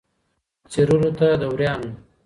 څېرلو ته د وریانو